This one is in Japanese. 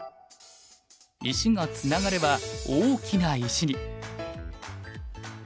石がつながれば大きな石に。